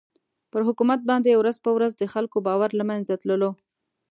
پر حکومت باندې ورځ په ورځ د خلکو باور له مېنځه تللو.